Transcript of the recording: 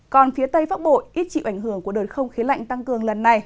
còn phía tây bắc bộ ít chịu ảnh hưởng của đợt không khí lạnh tăng cường lần này